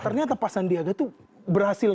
ternyata pak sandi agak tuh berhasil